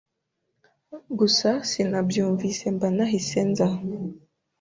Gusa sinabyunvise mba nahise nza